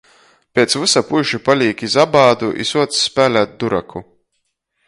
Piec vysa puiši palīk iz abādu i suoc spēlēt duraku.